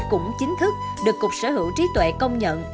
cũng chính thức được cục sở hữu trí tuệ công nhận